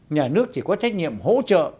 nhà nước chỉ có trách nhiệm hỗ trợ